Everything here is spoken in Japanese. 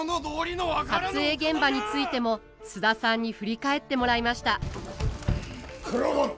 撮影現場についても菅田さんに振り返ってもらいました九郎殿！